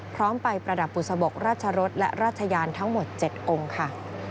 พร้อมไปประดับบุษบกราชรสและราชยานทั้งหมด๗องค์ค่ะ